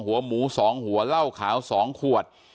หัวหมู๒หัวเหล้าขาว๒ขวด